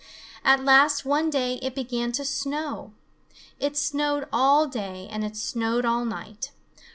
At last one day it began to snow. It snowed all day and it snowed all night.